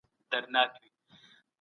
د ماشوم وړتیا ته پام وکړئ.